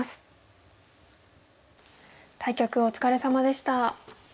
対局お疲れさまでした。